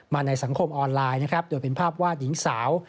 ในสังคมออนไลน์นะครับโดยเป็นภาพวาดหญิงสาว